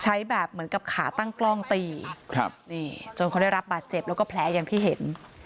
ใช้แบบเหมือนกับขาตั้งกล้องตีครับนี่จนเขาได้รับบาดเจ็บแล้วก็แผลอย่างที่เห็น